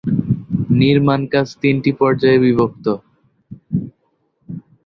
নির্মাণকাজ তিনটি পর্যায়ে বিভক্ত।